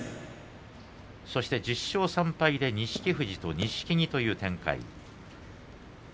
そして、１０勝３敗で錦富士と錦木という展開。